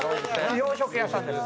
洋食屋さんです。